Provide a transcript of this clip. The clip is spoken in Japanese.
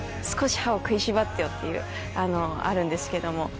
「少し歯をくいしばってよ」っていうあるんですけども。